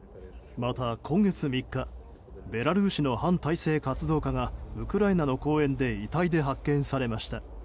また、今月３日ベラルーシの反体制活動家がウクライナの公園で遺体で発見されました。